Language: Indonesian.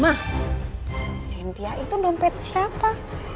mah sintia itu dompet siapa